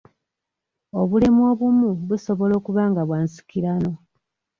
Obulemu obumu busobola okuba nga bwa nsikirano.